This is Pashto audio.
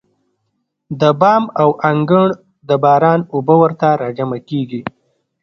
د بام او د انګړ د باران اوبه ورته راجمع کېږي.